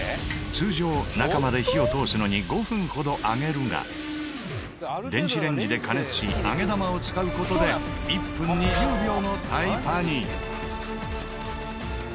通常中まで火を通すのに５分ほど揚げるが電子レンジで加熱し揚げ玉を使う事で１分２０秒のタイパに。